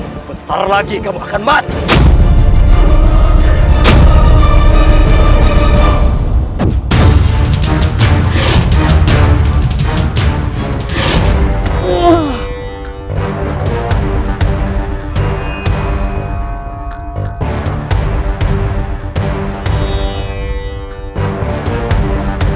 sebentar lagi kamu akan mati